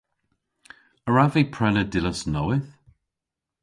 A wrav vy prena dillas nowydh?